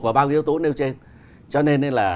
vào bao nhiêu yếu tố nêu trên cho nên